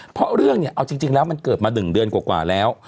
เพราะเรื่องเนี่ยเอาจริงแล้วมันเกิดมา๑เดือนกว่าแล้ว